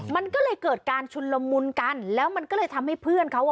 มันก็เลยเกิดการชุนละมุนกันแล้วมันก็เลยทำให้เพื่อนเขาอ่ะ